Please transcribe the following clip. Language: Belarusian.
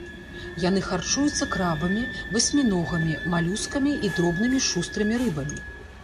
Яны харчуюцца крабамі, васьміногамі, малюскамі і дробнымі шустрымі рыбамі.